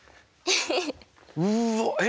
うわっえ？